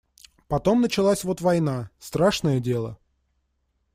Потом началась вот война — страшное дело.